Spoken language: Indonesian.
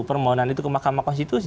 permohonan itu ke mahkamah konstitusi